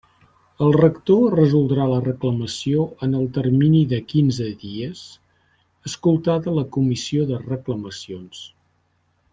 El rector resoldrà la reclamació en el termini de quinze dies, escoltada la Comissió de Reclamacions.